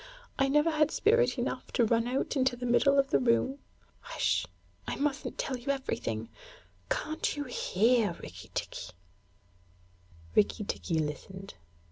'I never had spirit enough to run out into the middle of the room. H'sh! I mustn't tell you anything. Can't you hear, Rikki tikki?' Rikki tikki listened.